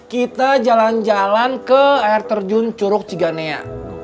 kita jalan jalan ke air terjun curug ciganea